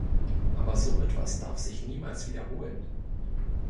Aber so etwas darf sich niemals wiederholen!